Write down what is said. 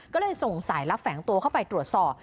ก็เลยส่งสายรับแฝงตัวเข้าไปตรวจสอบ